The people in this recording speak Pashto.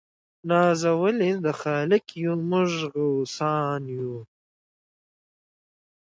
نازولي د خالق یو موږ غوثان یو